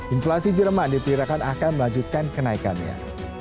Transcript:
inflasi jerman diperkirakan akan melanjutkan kenaikannya